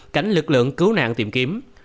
cảnh lực lượng cứu nạn tìm kiếm